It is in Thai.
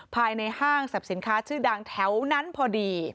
ภายในห้างสรรพสินค้าชื่อดังแถวนั้นพอดี